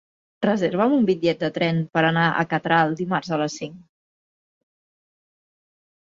Reserva'm un bitllet de tren per anar a Catral dimarts a les cinc.